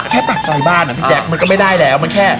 ปากซอยบ้านอ่ะพี่แจ๊คมันก็ไม่ได้แล้วมันแค่